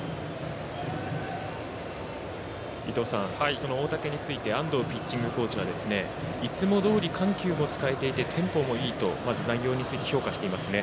その大竹について安藤ピッチングコーチはいつもどおり緩急も使えていてテンポもいいと、まず内容について評価していますね。